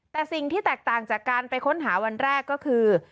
แต่สิ่งที่แตกต่างจากการไปค้นหาวันแรกก็คือ